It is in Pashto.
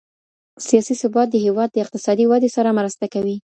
سياسي ثبات د هېواد د اقتصادي ودي سره مرسته کوي.